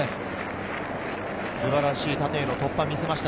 素晴らしい縦への突破を見せました